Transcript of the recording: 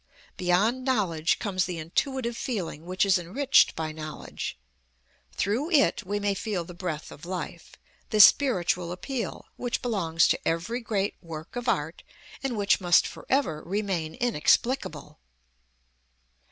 Beyond knowledge comes the intuitive feeling which is enriched by knowledge. Through it we may feel the breath of life, the spiritual appeal, which belongs to every great work of art and which must forever remain inexplicable.